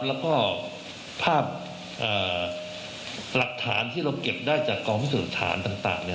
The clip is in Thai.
และก็ภาพหลักฐานที่เราเก็บได้จากกองพิสัยศาสตร์ต่างเนี่ย